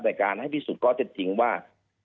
ในการให้พิสูจน์ก็จะถิ่งว่า